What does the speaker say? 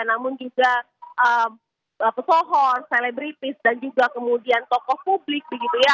namun juga pesohor selebritis dan juga kemudian tokoh publik begitu ya